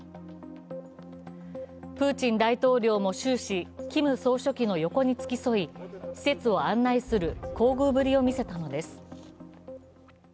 プーチン大統領も終始、キム総書記の横に付き添い施設を案内する厚遇ぶりを見せたのです。